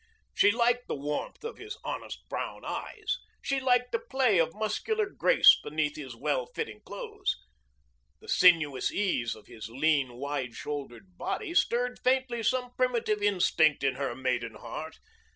She liked the warmth in his honest brown eyes. She liked the play of muscular grace beneath his well fitting clothes. The sinuous ease of his lean, wide shouldered body stirred faintly some primitive instinct in her maiden heart.